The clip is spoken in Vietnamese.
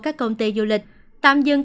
các công ty du lịch tạm dừng